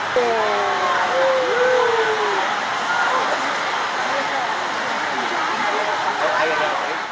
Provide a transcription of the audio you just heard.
di antaranya undang undang kpk ruu kuap revisi uu pemasyarakatan